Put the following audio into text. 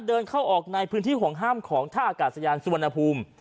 เดินเข้าออกในพื้นที่ห่วงห้ามของท่าอากาศยานสุวรรณภูมิ